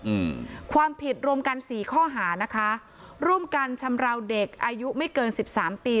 อืมความผิดรวมกันสี่ข้อหานะคะร่วมกันชำราวเด็กอายุไม่เกินสิบสามปี